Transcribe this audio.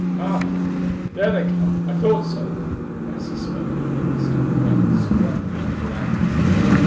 "Ah! there they come; I thought so." And as he spoke they heard the sound of men scrambling up the ladder.